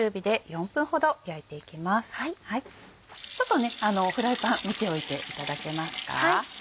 ちょっとフライパン見ておいていただけますか。